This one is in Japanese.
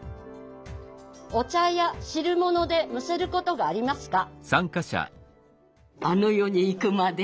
「お茶や汁物でむせることがありますか」。